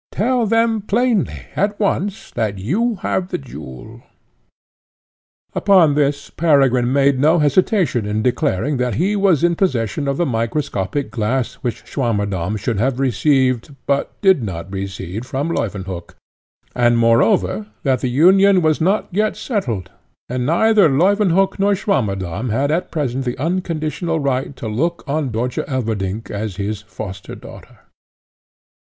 Tell them plainly at once, that you have the jewel." Upon this Peregrine made no hesitation in declaring that he was in possession of the microscopic glass which Swammerdamm should have received, but did not receive, from Leuwenhock; and moreover that the union was not yet settled, and neither Leuwenhock nor Swammerdamm had at present the unconditional right to look on Dörtje Elverdink as his foster daughter.